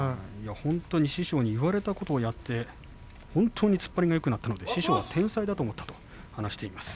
本当に師匠に言われたことをやって、本当に突っ張りがよくなったので師匠は天才だと思ったと話しています。